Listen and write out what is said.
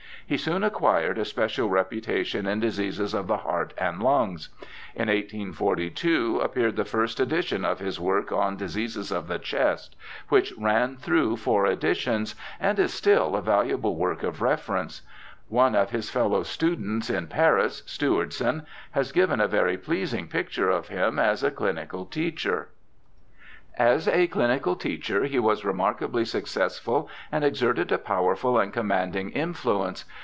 He soon acquired a special reputation in diseases of the heart and lungs. In T842 appeared the first edition of his work on Diseases of the Chest, which ran through four editions, and is still a valuable work of reference. One of his fellow students in Paris, Stewardson, has given a very pleasing picture of him as a chnical teacher : *As a clinical teacher he was remarkably successful and exerted a powerful and commanding influence.